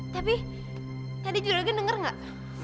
tapi tadi juragan denger gak